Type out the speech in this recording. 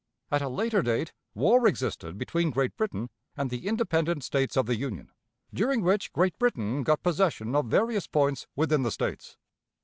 At a later date, war existed between Great Britain and the independent States of the Union, during which Great Britain got possession of various points within the States.